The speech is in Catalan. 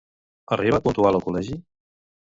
Arriba puntual al col·legi?